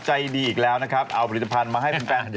ใจดีอีกแล้วนะครับเอาผลิตภัณฑ์มาให้แฟน